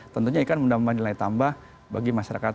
tentunya ini kan menambah nilai tambah bagi masyarakat